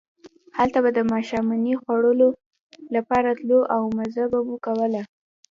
هلته به د ماښامنۍ خوړلو لپاره تلو او مزه مو کوله.